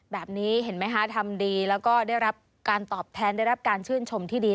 แบบนี้เห็นไหมคะทำดีแล้วก็ได้รับการตอบแทนได้รับการชื่นชมที่ดี